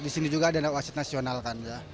di sini juga ada wasit nasional kan